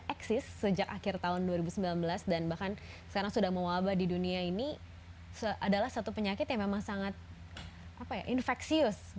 eksis sejak akhir tahun dua ribu sembilan belas dan bahkan sekarang sudah mewabah di dunia ini adalah satu penyakit yang memang sangat infeksius